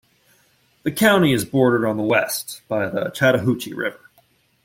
The county is bordered on the west by the Chattahoochee River.